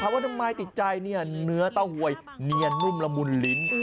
ว่าทำไมติดใจเนื้อเต้าหวยเนียนนุ่มละมุนลิ้น